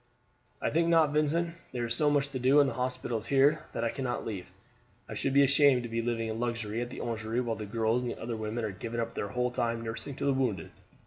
"I think not, Vincent. There is so much to do in the hospitals here that I cannot leave. I should be ashamed to be living in luxury at the Orangery with the girls while other women are giving up their whole time nursing the wounded.